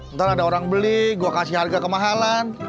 ntar ada orang beli gue kasih harga kemahalan